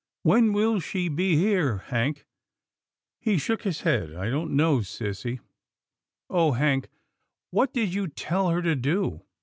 When will she be here. Hank? " He shook his head. " I don't know, sissy." " Oh! Hank, what did you tell her to do?